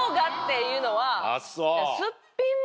あっそう。